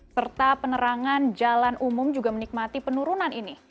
serta penerangan jalan umum juga menikmati penurunan ini